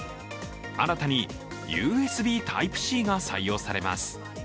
新たにＵＳＢＴｙｐｅ−Ｃが採用されます。